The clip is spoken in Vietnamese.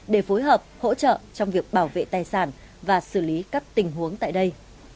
để phối hợp hỗ trợ trong việc bảo vệ tài sản và xử lý các tình huống tại đây